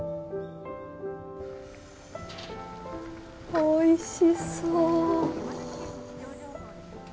おいしそう！